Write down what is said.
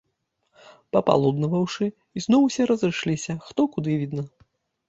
Папалуднаваўшы, ізноў усе разышліся, хто куды відна.